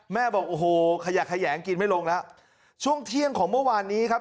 บอกโอ้โหขยะแขยงกินไม่ลงแล้วช่วงเที่ยงของเมื่อวานนี้ครับ